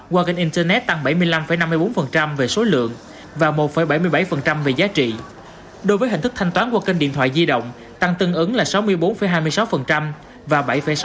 qua kênh internet tăng bảy mươi năm năm mươi bốn về số lượng và một bảy mươi bảy về giá trị đối với hình thức thanh toán qua kênh điện thoại di động tăng tương ứng là sáu mươi bốn hai mươi sáu và bảy sáu